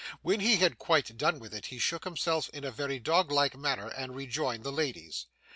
When he had quite done with it, he shook himself in a very doglike manner, and rejoined the ladies.